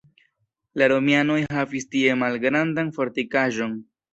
La romianoj havis tie malgrandan fortikaĵon.